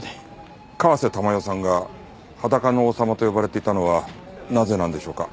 川瀬珠代さんが裸の王様と呼ばれていたのはなぜなんでしょうか？